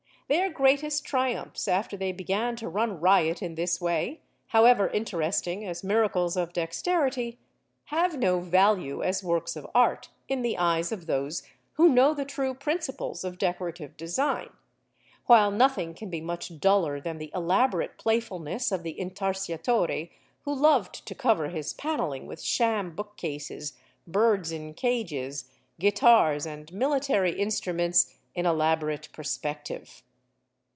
Their greatest triumphs after they began to run riot in this way, however interesting as miracles of dexterity, have no value as works of art in the eyes of those who know the true principles of decorative design; while nothing can be much duller than the elaborate playfulness of the Intarsiatore who loved to cover his panelling with sham book cases, birds in cages, guitars, and military instruments in elaborate perspective.